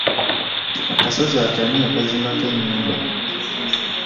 Akasozi ako ani yakazimbako ennyumba.